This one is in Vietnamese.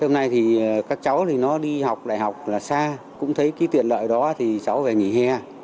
hôm nay các cháu đi học đại học là xa cũng thấy tiện lợi đó cháu về nghỉ hè